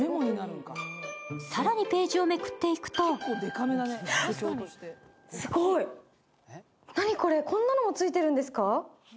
更にページをめくっていくとあっ、すごい、何これ、こんなのもついてるんですか？